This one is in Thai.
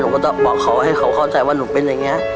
หนูก็จะบอกเขาให้เขาเข้าใจว่าหนูเป็นอย่างเงี้ย